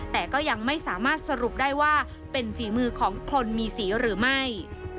แต่ก็ยังไม่สามารถสรุปได้ว่าเป็นฝีมือของคนมีสีหรือไม่